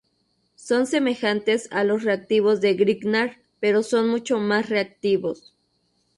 Son semejantes a los reactivos de Grignard, pero son mucho más reactivos.